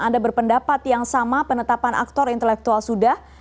anda berpendapat yang sama penetapan aktor intelektual sudah